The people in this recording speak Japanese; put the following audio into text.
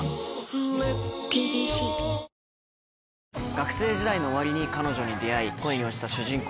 学生時代の終わりに彼女に出会い恋に落ちた主人公